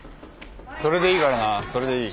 それでいいからなそれでいい。